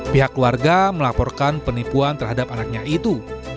pihak keluarga melaporkan penipuan terhadap anaknya itu